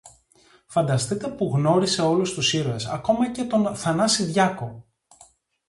Φανταστείτε που γνώρισε όλους τους ήρωες, ακόμα και τον Θανάση Διάκο!